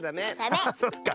ああそっか。